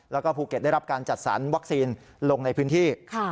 แล้วก็ภูเก็ตได้รับการจัดสรรวัคซีนลงในพื้นที่